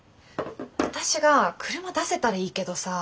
私が車出せたらいいけどさあ。